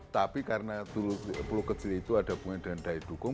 tapi karena pulau kecil itu ada hubungannya dengan daya dukung